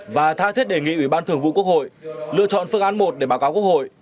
và tha thiết đề nghị ủy ban thường vụ quốc hội lựa chọn phương án một để báo cáo quốc hội